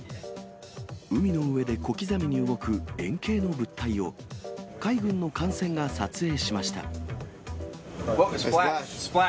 海の上で小刻みに動く円形の物体を、海軍の艦船が撮影しました。